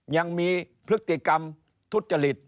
ยังมีพฤติกรรมทุจริต